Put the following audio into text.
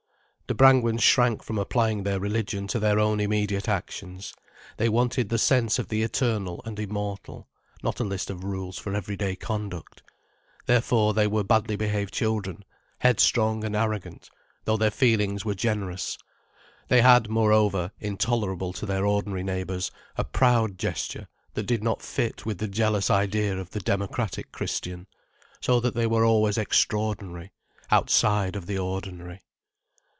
The Brangwens shrank from applying their religion to their own immediate actions. They wanted the sense of the eternal and immortal, not a list of rules for everyday conduct. Therefore they were badly behaved children, headstrong and arrogant, though their feelings were generous. They had, moreover—intolerable to their ordinary neighbours—a proud gesture, that did not fit with the jealous idea of the democratic Christian. So that they were always extraordinary, outside of the ordinary.